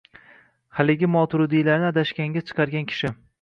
Haligi moturudiylarni adashganga chiqargan kishi